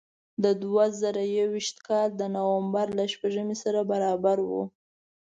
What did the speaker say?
د دوه زره یو ویشت کال د نوامبر له شپږمې سره برابر و.